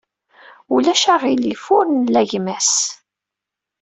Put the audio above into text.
Ulac aɣilif ur nla gma-s.